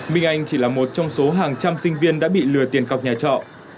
minh anh chỉ là một trong số hàng trăm sinh viên đã bị lừa tiền cọc nhà trọ